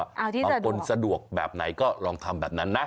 บางคนสะดวกแบบไหนก็ลองทำแบบนั้นนะ